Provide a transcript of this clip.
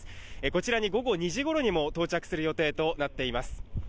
こちらに午後２時頃にも到着する予定となっています。